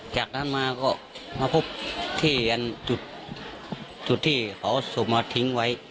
จากนั้นมาก็มาพบที่จุดที่เขาศพมาทิ้งไว้